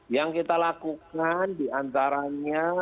yang kita lakukan diantaranya